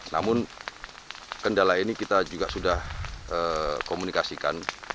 namun kendala ini kita juga sudah komunikasikan